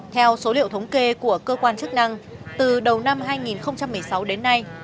theo số liệu thống kê của cơ quan chức năng từ đầu năm hai nghìn một mươi sáu đến nay